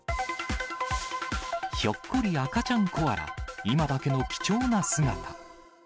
ひょっこり赤ちゃんコアラ、今だけの貴重な姿。